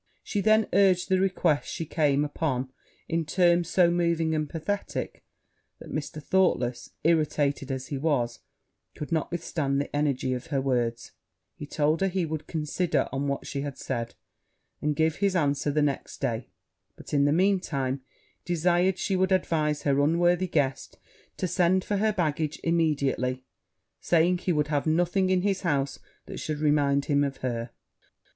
She then urged the request she came upon, in terms so moving and pathetick, that Mr. Thoughtless, irritated as he was, could not withstand the energy of her words: he told her he would consider on what she had said, and give his answer the next day; but, in the mean time, desired she would advise her unworthy guest to send for her baggage immediately; saying, he would have nothing in his house that should remind him of her.